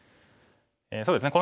そうですね